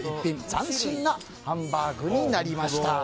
斬新なハンバーグになりました。